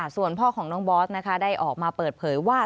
ส่วนพ่อของน้องบอสได้ออกมาเปิดเผยว่า